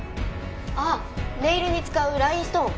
ああネイルに使うラインストーン。